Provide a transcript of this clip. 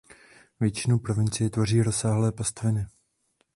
Většinu provincie tvoří rozlehlé pastviny.